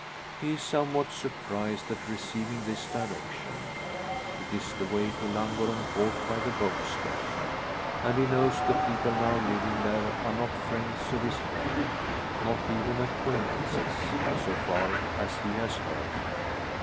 He is somewhat surprised at receiving this direction. It is the way to Llangorren Court, by the boat stair, and he knows the people now living there are not friends of his fare not even acquaintances, so far as he has heard.